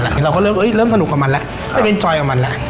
เราก็เริ่มสนุกกับมันแล้วจะเป็นจอยกับมันแล้ว